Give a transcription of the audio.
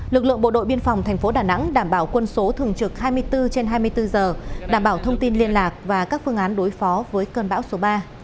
lực lượng bộ đội biên phòng tp đà nẵng đảm bảo quân số thường trực hai mươi bốn trên hai mươi bốn giờ đảm bảo thông tin liên lạc và các phương án đối phó với cơn bão số ba